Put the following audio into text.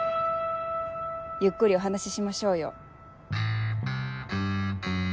ゆっくりお話ししましょうよ。